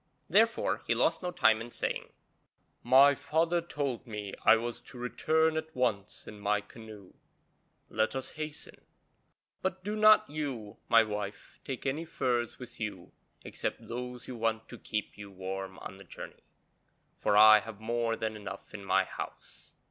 Therefore he lost no time in saying, 'My father told me I was to return at once in my canoe; let us hasten, but do not you, my wife, take any furs with you except those you want to keep you warm on the journey, for I have more than enough in my house.'